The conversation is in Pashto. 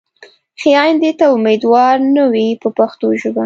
ښې ایندې ته امیدوار نه وي په پښتو ژبه.